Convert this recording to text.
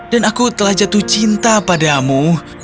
dan aku telah jatuh cinta padamu